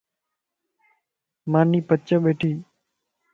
ماني پچَ ٻيٺي